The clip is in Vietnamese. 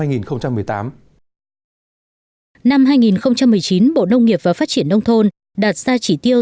năm hai nghìn một mươi chín bộ nông nghiệp và phát triển nông thôn đạt ra chỉ tiêu